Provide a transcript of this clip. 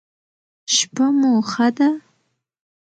شپه مو ښه ده